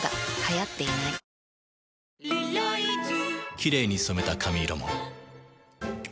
きれいに染めた髪色も。